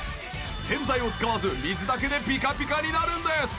洗剤を使わず水だけでピカピカになるんです。